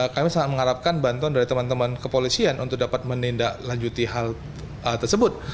kami sangat mengharapkan bantuan dari teman teman kepolisian untuk dapat menindaklanjuti hal tersebut